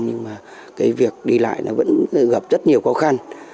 nhưng việc đi lại vẫn gặp rất nhiều khó khăn